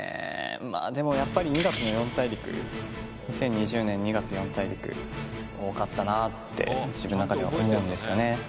まあでもやっぱり２月の四大陸２０２０年２月四大陸自分の中では思うんですよね